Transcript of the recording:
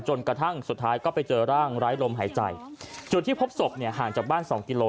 จนกระทั่งสุดท้ายก็ไปเจอร่างร้ายลมหายใจจุดที่พบสบห่างจากบ้าน๒กิโล